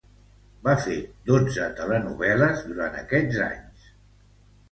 Va fer dotze telenovel·les durant estos anys.